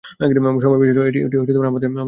সময় বেশি হলেও, এটি আমাদের সভ্যতার কাছে নিয়ে যাবে।